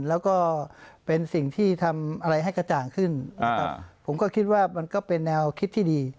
แล้วก็เป็นสิ่งที่ทำอะไรให้กระจ่างขึ้นนะครับผมก็คิดว่ามันก็เป็นแนวคิดที่ดี